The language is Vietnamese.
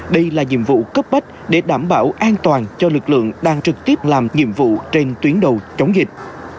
đây là nhiệm vụ cấp bách để đảm bảo an toàn cho lực lượng đang trực tiếp làm nhiệm vụ trên tuyến đầu chống dịch